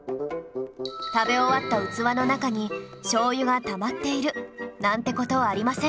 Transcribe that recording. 食べ終わった器の中に醤油がたまっているなんて事はありませんか？